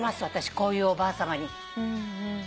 私こういうおばあさまに。